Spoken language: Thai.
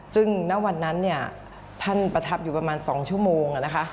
ซึ่งณวันนั้นเนี่ยท่านประทับอยู่ประมาณ๒ชั่วโมงนะคะ